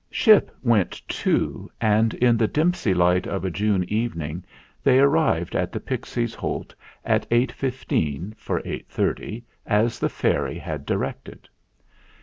Ship went too, and, in the dimpsy light of a June evening, they arrived at the Pixies' Holt at eight fifteen for eight thirty, as the fairy had directed.